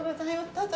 どうぞ。